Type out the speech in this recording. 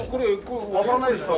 上がらないですか？